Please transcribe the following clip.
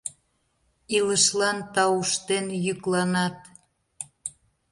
Илышлан тауштен йӱкланат.